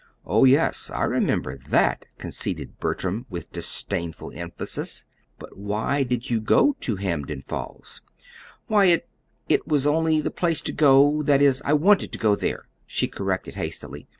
"Oh, yes, I remember THAT," conceded Bertram with disdainful emphasis. "But why did you go to Hampden Falls?" "Why, it it was the only place to go that is, I WANTED to go there," she corrected hastily.